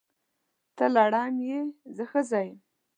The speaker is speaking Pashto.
ته لړم یې! زه ښځه یم.